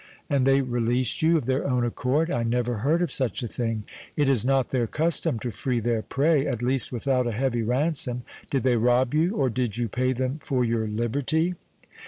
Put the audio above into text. "And they released you of their own accord? I never heard of such a thing! It is not their custom to free their prey, at least without a heavy ransom. Did they rob you, or did you pay them for your liberty?"